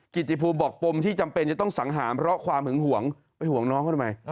กิจติภูมิบอกปมที่จำเป็นจะต้องสังหารเพราะความหึงห่วงไปห่วงน้องเขาทำไม